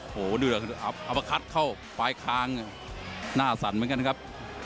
โอ้โหเดือเอามาคัดเข้าปลายคางหน้าสั่นเหมือนกันครับ